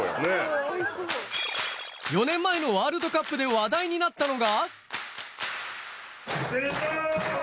４年前のワールドカップで話題になったのが。